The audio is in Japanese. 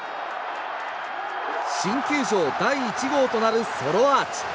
新球場第１号となるソロアーチ。